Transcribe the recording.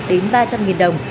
đến ba trăm linh đồng